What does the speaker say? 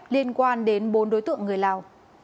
liên quan đến bốn đối tượng người lào